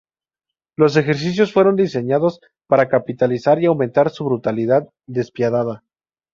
Los ejercicios fueron diseñados para capitalizar y aumentar su brutalidad despiadada.